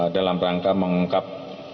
dalam rangka mengungkap